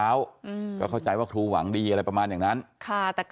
อือมันก็ได้ดูเสียงดัง